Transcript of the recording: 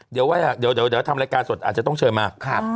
เดี๋ยวทำรายการสดอาจจะต้องเชิญมา